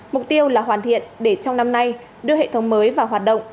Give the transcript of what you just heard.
mục tiêu là hoàn thiện để trong năm nay đưa hệ thống mới vào hoạt động